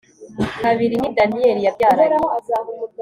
kabiri ni Daniyeli yabyaranye